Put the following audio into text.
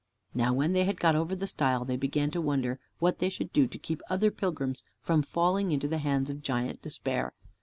Now when they had got over the stile, they began to wonder what they should do to keep other pilgrims from falling into the hands of Giant Despair.